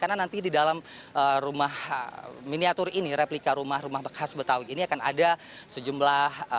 karena nanti di dalam rumah miniatur ini replika rumah rumah khas betawi ini akan ada sejumlah